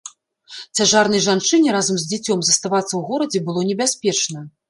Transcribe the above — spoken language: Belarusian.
Цяжарнай жанчыне разам з дзіцём заставацца ў горадзе было небяспечна.